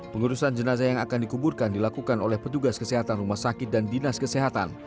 pengurusan jenazah yang akan dikuburkan dilakukan oleh petugas kesehatan rumah sakit dan dinas kesehatan